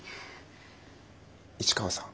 市川さん